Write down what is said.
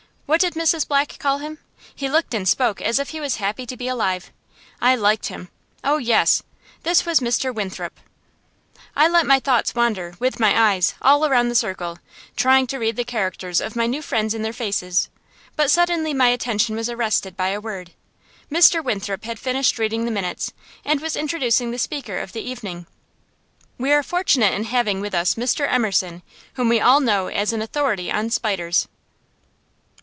What did Mrs. Black call him? He looked and spoke as if he was happy to be alive. I liked him. Oh, yes! this was Mr. Winthrop. I let my thoughts wander, with my eyes, all around the circle, trying to read the characters of my new friends in their faces. But suddenly my attention was arrested by a word. Mr. Winthrop had finished reading the minutes, and was introducing the speaker of the evening. "We are very fortunate in having with us Mr. Emerson, whom we all know as an authority on spiders."